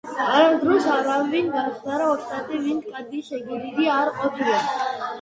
არასოდეს არავინ გამხდარა ოსტატი, ვინც კარგი შეგირდი არ ყოფილა